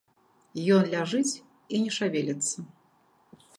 Ён ляжыць і не шавеліцца.